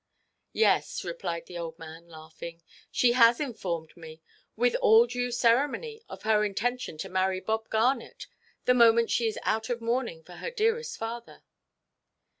"Yes," replied the old man, laughing, "she has informed me, with all due ceremony, of her intention to marry Bob Garnet, the moment she is out of mourning for her dearest father."